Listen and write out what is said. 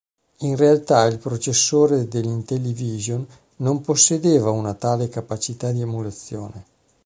In realtà il processore dell'Intellivision non possedeva una tale capacità di emulazione.